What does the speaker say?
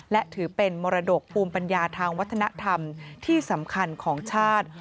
และถือเป็นมรดกภูมิปัญญาทางวัฒนธรรมที่สำคัญของชาติ